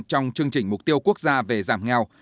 trong chương trình mục tiêu quốc gia về giảm nghèo